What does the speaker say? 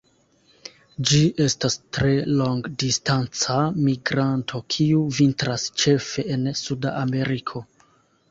Ĝi estas tre longdistanca migranto kiu vintras ĉefe en Suda Ameriko.